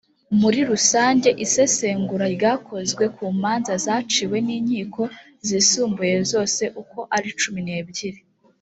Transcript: muri rusange isesengura ryakozwe ku manza zaciwe n inkiko zisumbuye zose uko ari cumi n ebyiri